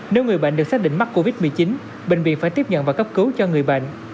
nếu người bệnh được xác định mắc covid một mươi chín bệnh viện phải tiếp nhận và cấp cứu cho người bệnh